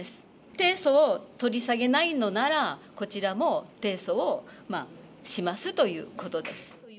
提訴を取り下げないのなら、こちらも提訴をしますということです。